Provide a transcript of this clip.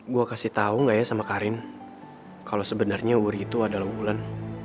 gue kasih tau gak ya sama karin kalo sebenernya uri itu adalah wulan